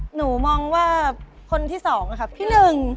หนูมองว่าคนที่สองค่ะพี่หนึ่ง